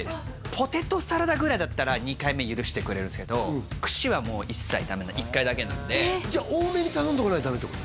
ポテトサラダぐらいなら２回目許してくれるんですけど串はもう一切ダメ１回だけなんで多めに頼んどかないとダメってこと？